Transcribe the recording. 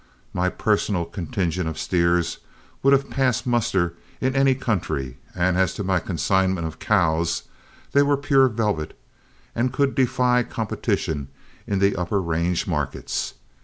My personal contingent of steers would have passed muster in any country, and as to my consignment of cows, they were pure velvet, and could defy competition in the upper range markets.